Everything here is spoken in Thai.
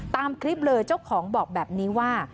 ตามคลิปเลยเจ้าของบอกแบบนี้ว่า